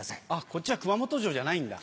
こっちは熊本城じゃないんだ。